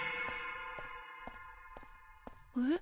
えっ？